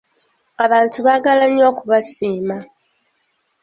Abantu baagala nnyo okubasiima.